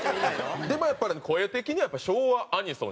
でもやっぱり声的には昭和アニソン